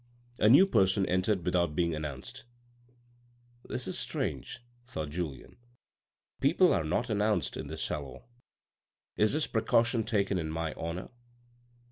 A new person entered without being announced. " This is strange," thought Julien. " People are not announced in this salon. Is this precaution taken in my honour